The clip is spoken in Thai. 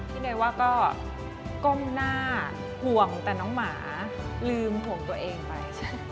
เนยว่าก็ก้มหน้าห่วงแต่น้องหมาลืมห่วงตัวเองไป